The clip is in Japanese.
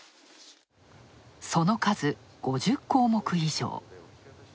その数５０項目以上。